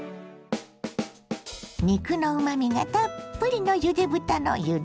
肉のうまみがたっぷりのゆで豚のゆで汁。